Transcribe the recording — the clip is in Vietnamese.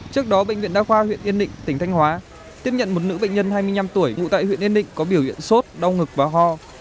trước đó bệnh viện đa khoa huyện yên định tỉnh thanh hóa tiếp nhận một nữ bệnh nhân hai mươi năm tuổi ngụ tại huyện yên định có biểu hiện sốt đau ngực và ho